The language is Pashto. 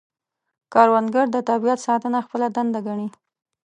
کروندګر د طبیعت ساتنه خپله دنده ګڼي